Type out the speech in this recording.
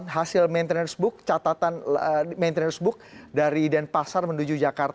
hasil maintenance book catatan maintenance book dari denpasar menuju jakarta